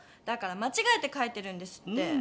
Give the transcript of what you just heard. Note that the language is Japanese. だからまちがえて書いてるんですって。